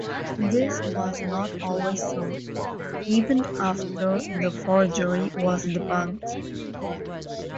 This was not always so, even after the forgery was debunked.